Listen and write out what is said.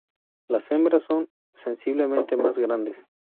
Las hembras son sensiblemente más grandes.